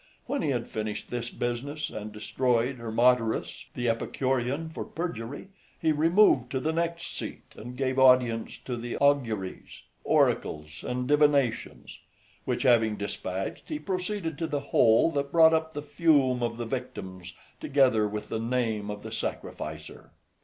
When he had finished this business, and destroyed Hermodorus, the Epicurean, for perjury, he removed to the next seat, and gave audience to the auguries, oracles, and divinations; which having despatched, he proceeded to the hole that brought up the fume of the victims, together with the name of the sacrificer.